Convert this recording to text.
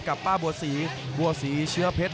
กับป้าบัวสีบัวสีเชื้อเพชร